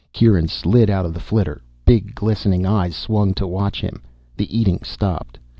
Kieran slid out of the flitter. Big glistening eyes swung to watch him. The eating stopped.